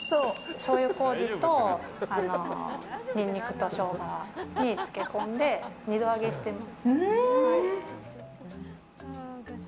しょうゆ麹とニンニクとショウガに漬け込んで二度揚げしてます。